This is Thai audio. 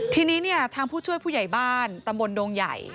ทีนี้เนี่ยทางผู้ช่วยผู้ใหญ่บ้านตำบลดงใหญ่